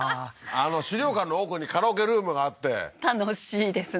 資料館の奥にカラオケルームがあって楽しいですね